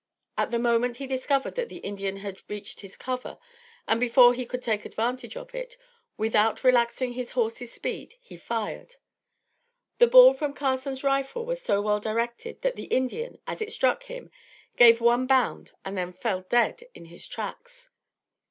At the moment he discovered that the Indian had reached his cover and before he could take advantage of it, without relaxing his horse's speed, he fired. The ball from Carson's rifle was so well directed that the Indian, as it struck him, gave one bound and then fell dead in his tracks.